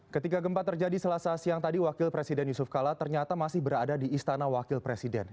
ketika gempa terjadi selasa siang tadi wakil presiden yusuf kala ternyata masih berada di istana wakil presiden